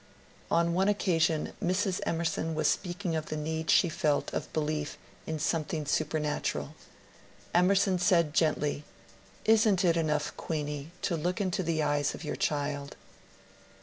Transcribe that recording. On one occasion Mrs. Emerson was speaking of the. need she felt of belief in something supernatural. Emerson said gently, ^^ Is n't it enough, Queeny, to look into the eyes of your child